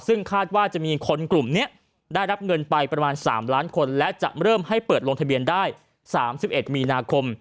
ซึ่งคาดว่าจะมีคนกลุ่มนี้ได้รับเงินไปประมาณ๓ล้านคนและจะเริ่มให้เปิดลงทะเบียนได้๓๑มีนาคม